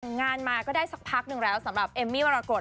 งานมาก็ได้สักพักหนึ่งแล้วสำหรับเอมมี่มรกฏ